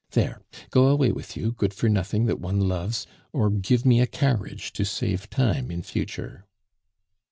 There, go away with you, good for nothing that one loves; or give me a carriage to save time in future."